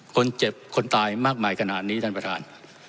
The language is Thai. คนเจ็บคนตายมากมายขนาดนี้ท่านประธาน